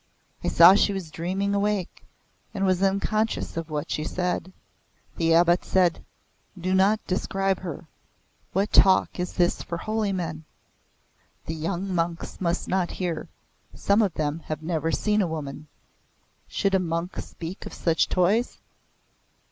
I saw she was dreaming awake and was unconscious of what she said. "The Abbot said, 'Do not describe her. What talk is this for holy men? The young monks must not hear. Some of them have never seen a woman. Should a monk speak of such toys?